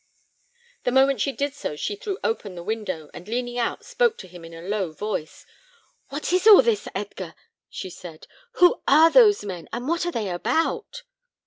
The moment she did so, she threw open the window, and leaning out, spoke to him in a low voice. "What is all this, Edgar?" she said. "Who are those men, and what are they about?"